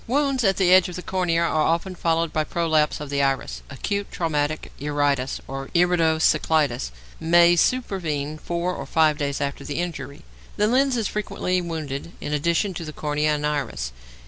Wounds at the edge of the cornea are often followed by prolapse of the iris. Acute traumatic iritis or irido cyclitis may supervene four or five days after the injury. The lens is frequently wounded in addition to the cornea and iris.